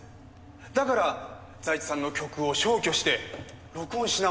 だから財津さんの曲を消去して録音し直した。